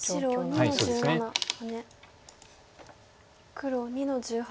黒２の十八。